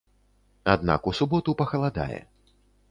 Аднак у суботу пахаладае.